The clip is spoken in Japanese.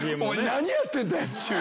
何やってんだよ。